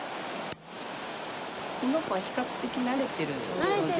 この子は比較的なれてるので。